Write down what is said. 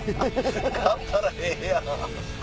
買ったらええやん。